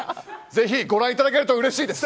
ぜひ、ご覧いただけるとうれしいです！